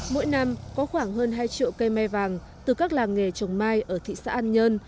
mỗi năm có khoảng hơn hai triệu cây mai vàng từ các làng nghề chồng mai ở thị xã an nhân